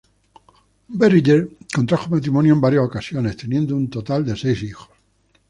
Berger contrajo matrimonio en varias ocasiones, teniendo un total de seis hijos.